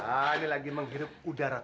nah ini lagi menghirup udara kebebasan